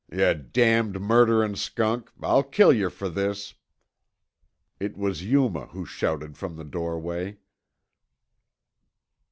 "Yuh damned murderin' skunk, I'll kill yuh fer this!" It was Yuma who shouted from the doorway.